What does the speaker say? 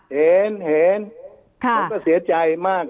เห็นเห็นเขาก็เสียใจมาก